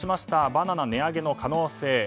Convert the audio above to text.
バナナ値上げの可能性。